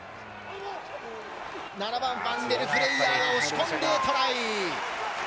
ファンデルフレイヤーが押し込んでトライ。